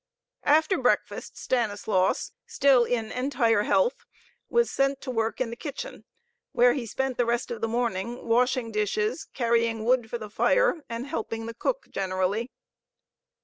After breakfast, Stanislaus, still in entire health, was sent to work in the kitchen, where he spent the rest of the morning, washing dishes, carrying wood for the fire, helping the cook generally.